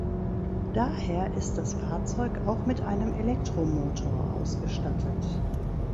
Daher ist das Fahrzeug auch mit einem Elektromotor ausgestattet.